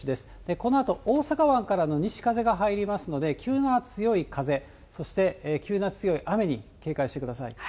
このあと、大阪湾からの西風が入りますので、急な強い風、そして急な強い雨に警戒してください。